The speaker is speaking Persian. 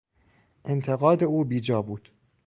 انتقاد او بیجا بود.